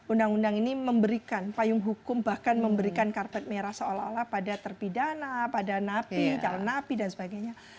undang undang ini memberikan payung hukum bahkan memberikan karpet merah seolah olah pada terpidana pada napi calon napi dan sebagainya